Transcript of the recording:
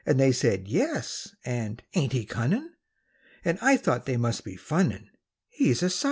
They said, "Yes," and, "Ain't he cunnin'?" And I thought they must be funnin', He's a _sight!